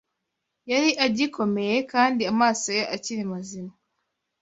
Yari agikomeye kandi amaso ye akiri mazima